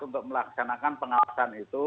untuk melaksanakan pengawasan itu